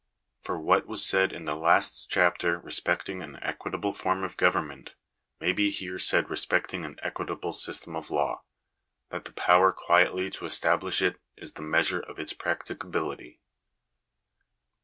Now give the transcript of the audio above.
For, what was said in the last chapter respecting an equitable form of government, may be here said respecting an equitable system of law ; that the power quietly to establish it is the measure of its practicability.